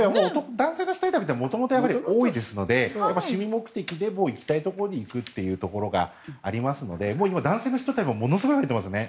男性の一人旅って元々、多いですので趣味目的で行きたいところに行くというのがありますので今、男性の人でもものすごいいますね。